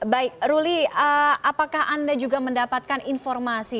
baik ruli apakah anda juga mendapatkan informasi